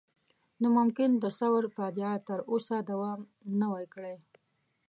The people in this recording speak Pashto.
نو ممکن د ثور فاجعه تر اوسه دوام نه وای کړی.